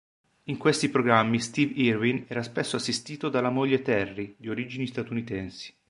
In questi programmi Steve Irwin era spesso assistito dalla moglie Terri, di origini statunitensi.